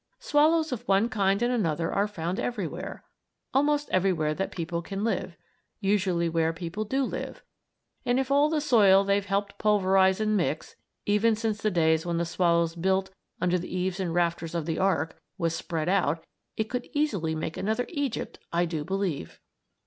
Swallows of one kind and another are found everywhere almost everywhere that people can live; usually where people do live. And if all the soil they've helped pulverize and mix even since the days when the swallows built under the eaves and rafters of the ark was spread out, it would easily make another Egypt, I do believe!